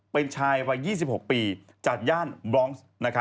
เป็นชายวัย๒๖ปีจากย่านบรองซ์